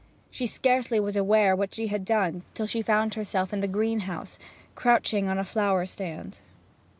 She scarcely was aware what she had done till she found herself in the greenhouse, crouching on a flower stand.